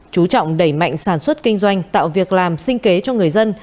chú trọng đẩy mạnh sản xuất kinh doanh tạo việc làm sinh kế cho người dân